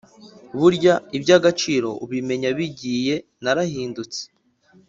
burya iby’agaciro ubimenya bigiye narahindutse